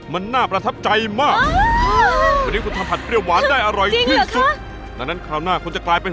มันน่าประทับใจมาก